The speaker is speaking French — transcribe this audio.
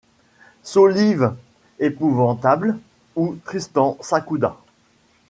Solive épouvantable où Tristan s'accouda